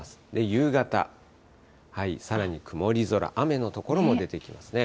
夕方、さらに曇り空、雨の所も出てきますね。